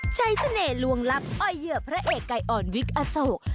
เสน่หลวงลับอ้อยเหยื่อพระเอกไก่อ่อนวิกอโศก